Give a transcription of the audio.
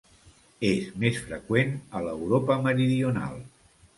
És més freqüent a l'Europa meridional.